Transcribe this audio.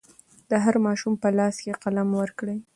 د هر ماشوم په لاس کې قلم ورکړئ.